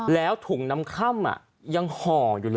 แล้วถุงน้ำคร่ำยังห่ออยู่เลย